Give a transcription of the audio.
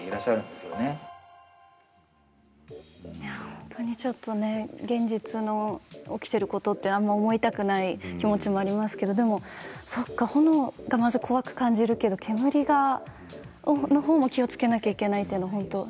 本当に、ちょっと現実に起きていることってあまり思いたくない気持ちもありますけどでもそうか、炎がまず怖く感じるけれども、煙のほうも気をつけなければいけないというのが。